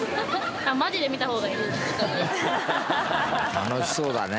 楽しそうだね。